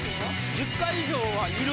１０回以上はいる？